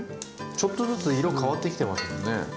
ちょっとずつ色変わってきてますもんね。